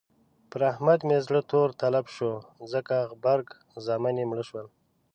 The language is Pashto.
پر احمد مې زړه تور تلب شو ځکه غبر زامن يې مړه شول.